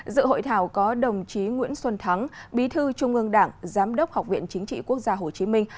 dự hội thảo có đồng chí nguyễn xuân thắng bí thư trung ương đảng giám đốc học viện chính trị quốc gia hồ chí minh